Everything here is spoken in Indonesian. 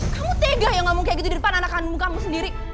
kamu tega ya ngomong kayak gitu di depan anak anakmu kamu sendiri